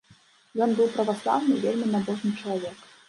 Ён быў праваслаўны, вельмі набожны чалавек.